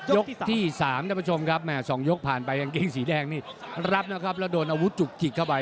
ยกที่๓ท่านผู้ชมครับสองยกผ่านไปอังกฤษสีแดงรับแล้วโดนอาวุธจุกคลิกเข้าไป